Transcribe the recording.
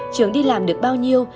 trường đi làm được bao nhiêu